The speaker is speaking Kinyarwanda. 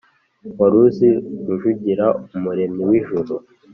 Waruzi rujugira umuremyi w’ijuru